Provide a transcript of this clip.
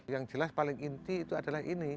yang jelas paling inti itu adalah ini